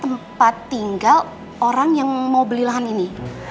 tempat tinggal orang yang mau beli lahan ini